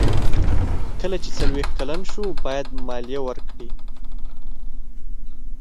کله چې څلویښت کلن شو باید مالیه ورکړي.